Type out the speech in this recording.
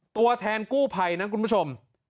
ตัวแทนกู้ภัยนะคุณผู้ชม